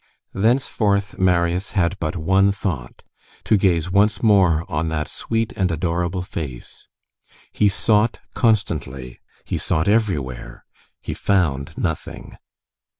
Thenceforth, Marius had but one thought,—to gaze once more on that sweet and adorable face. He sought constantly, he sought everywhere; he found nothing.